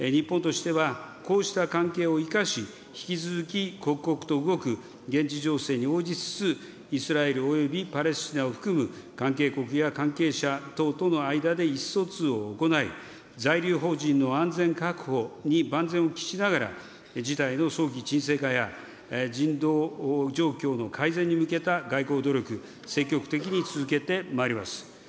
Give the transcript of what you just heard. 日本としては、こうした関係を生かし、引き続き刻々と動く現地情勢に応じつつ、イスラエルおよびパレスチナを含む関係国や関係者等との間で意思疎通を行い、在留邦人の安全確保に万全を期しながら、事態の早期沈静化や、人道状況の改善に向けた外交努力、積極的に続けてまいります。